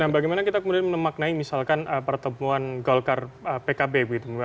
nah bagaimana kita kemudian menemaknai misalkan pertemuan golkar pkb begitu